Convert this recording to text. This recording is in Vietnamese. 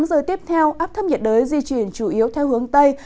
đến bốn mươi tám giờ tiếp theo áp thấp nhiệt đới di chuyển chủ yếu theo hướng tây